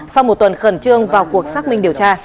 sau một tuần khẩn trương vào cuộc xác minh điều tra